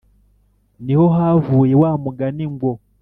ni ho havuye wa mugani ngo